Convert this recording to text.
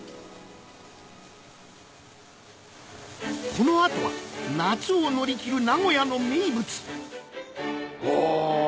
この後は夏を乗り切る名古屋の名物お！